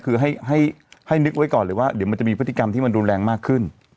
คือให้นึกไว้ก่อนเลยว่าเดี๋ยวมันจะมีพฤติกรรมที่มันรุนแรงมากขึ้น